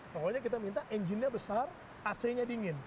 pokoknya kita minta engine nya besar ac nya dingin